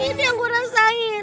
ini yang gue rasain